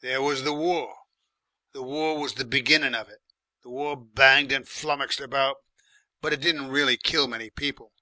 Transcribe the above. "There was the War. The War was the beginning of it. The War banged and flummocked about, but it didn't really KILL many people.